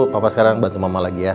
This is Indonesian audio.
papa sekarang bantu mama lagi ya